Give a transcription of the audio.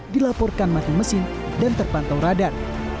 dilaporkan mati mesin dan terpantau radar